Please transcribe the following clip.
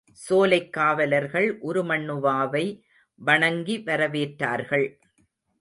சோலைக் காவலர்கள் உருமண்ணுவாவை வணங்கி வரவேற்றார்கள்.